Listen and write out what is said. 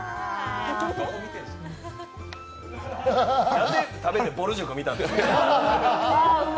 なんで、食べてぼる塾見たんですか？